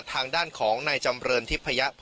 ทางด้านของนายจำเรินทิพยะ